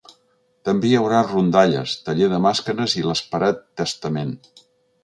També hi haurà rondalles, taller de màscares i l’esperat testament.